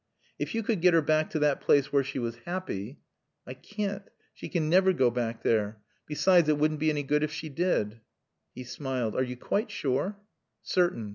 "If you could get her back to that place where she was happy " "I can't. She can never go back there. Besides, it wouldn't be any good if she did." He smiled. "Are you quite sure?" "Certain."